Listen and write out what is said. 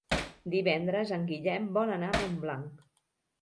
Divendres en Guillem vol anar a Montblanc.